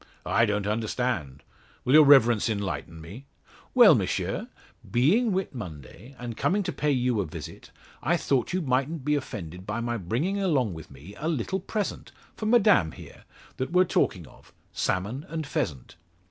"I don't understand. Will your Reverence enlighten me?" "Well, M'sieu; being Whit Monday, and coming to pay you a visit, I thought you mightn't be offended by my bringing along with me a little present for Madame here that we're talking of salmon and pheasant."